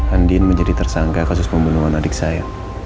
andien menjadi tersangka khusus pembunuhan adik saya